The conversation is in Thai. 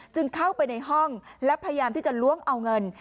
เข้าไปในห้องและพยายามที่จะล้วงเอาเงิน